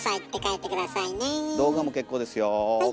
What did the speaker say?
動画も結構ですよ。